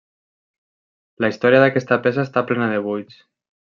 La història d'aquesta peça està plena de buits.